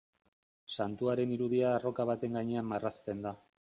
Santuaren irudia arroka baten gainean marrazten da.